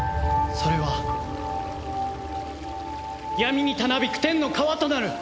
「それは闇にたなびく天の川となる」